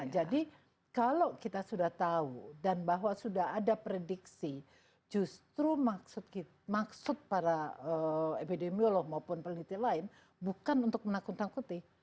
jadi kalau kita sudah tahu dan bahwa sudah ada prediksi justru maksud para epidemiolog maupun peneliti lain bukan untuk menakut takuti